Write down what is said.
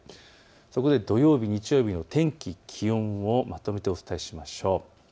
そこで土曜日、日曜日の天気、気温をまとめてお伝えしましょう。